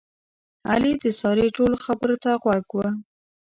علي د سارې ټولو خبرو ته غوږ و.